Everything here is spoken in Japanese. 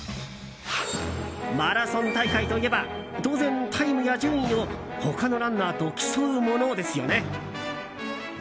マラソン大会といえば当然、タイムや順位を他のランナーと競うものですよね。